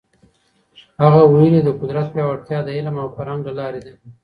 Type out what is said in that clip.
هغه ویلي، د قدرت پیاوړتیا د علم او فرهنګ له لاري ده.